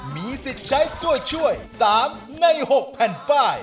มีสิทธิ์ใช้ตัวช่วย๓ใน๖แผ่นป้าย